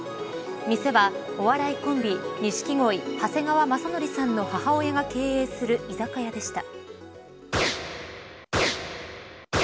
店はお笑いコンビ、錦鯉長谷川雅紀さんの母親が経営する居酒屋でした。